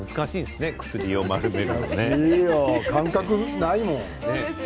感覚がないもんね。